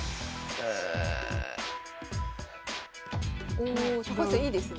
お高橋さんいいですね。